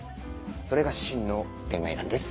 それが真の恋愛なんです。